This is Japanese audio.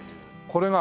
これが？